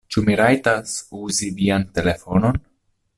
Ĉu mi rajtas uzi vian telefonon?